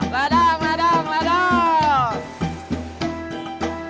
ledang ledang ledang